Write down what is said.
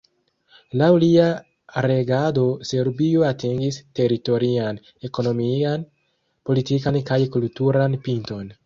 Laŭ lia regado Serbio atingis teritorian, ekonomian, politikan kaj kulturan pinton.